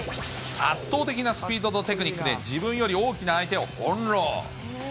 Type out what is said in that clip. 圧倒的なスピードとテクニックで自分より大きな相手を翻弄。